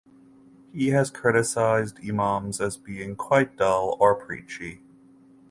He has criticised Imams as being quite dull or preachy.